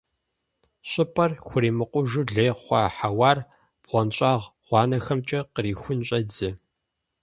ЩIыпIэр хуримыкъужу лей хъуа хьэуар бгъуэнщIагъ гъуанэхэмкIэ кърихун щIедзэ.